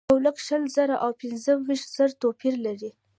یولک شل زره او پنځه ویشت زره توپیر لري.